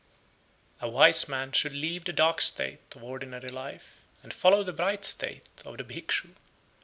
87, 88. A wise man should leave the dark state (of ordinary life), and follow the bright state (of the Bhikshu).